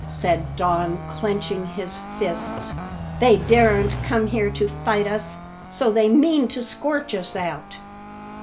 said Don, clenching his fists. "They daren't come here to fight us, so they mean to scorch us out!"